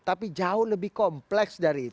tapi jauh lebih kompleks